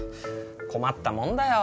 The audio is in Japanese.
困ったもんだよ。